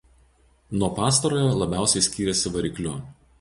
Nuo pastarojo labiausiai skyrėsi varikliu.